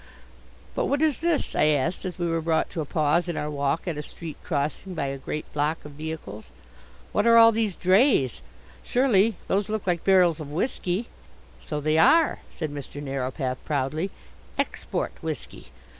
"But what is this?" I asked as we were brought to a pause in our walk at a street crossing by a great block of vehicles. "What are all these drays? Surely, those look like barrels of whisky!" "So they are," said Mr. Narrowpath proudly. "Export whisky.